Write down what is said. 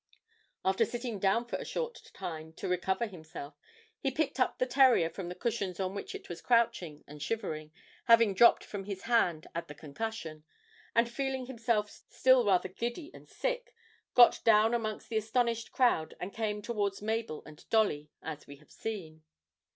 After sitting down for a short time to recover himself, he picked up the terrier from the cushions on which it was crouching and shivering, having dropped from his hand at the concussion, and feeling himself still rather giddy and sick, got down amongst the astonished crowd, and came towards Mabel and Dolly as we have seen.